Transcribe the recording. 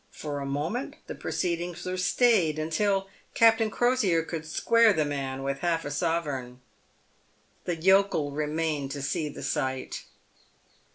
For a moment the proceedings were stayed, until Captain Crosier could square the man with half a sovereign. The yokel remained to see the sight.